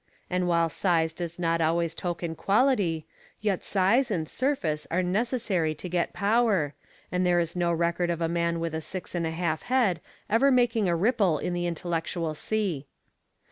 And while size does not always token quality, yet size and surface are necessary to get power, and there is no record of a man with a six and a half head ever making a ripple on the intellectual sea.